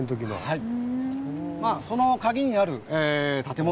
はい。